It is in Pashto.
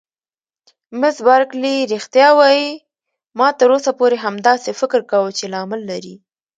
مس بارکلي: رښتیا وایې؟ ما تر اوسه پورې همداسې فکر کاوه چې لامل لري.